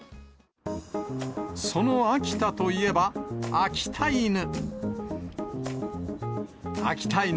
その秋田といえば、秋田犬。